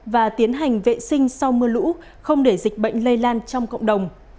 và tiến hành vệ sinh sau mưa lũ không để dịch bệnh lây lan trong cộng đồng